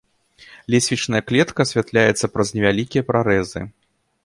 Лесвічная клетка асвятляецца праз невялікія прарэзы.